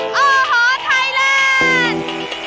อ้อฮอล์ไทยแลนด์